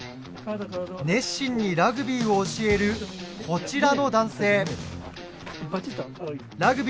熱心にラグビーを教えるこちらの男性。